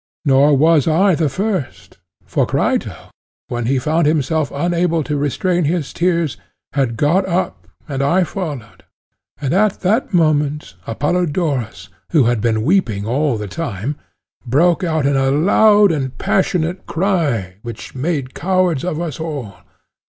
Nor was I the first; for Crito, when he found himself unable to restrain his tears, had got up, and I followed; and at that moment, Apollodorus, who had been weeping all the time, broke out in a loud and passionate cry which made cowards of us all.